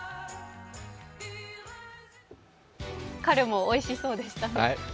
カルモーおいしそうでしたね。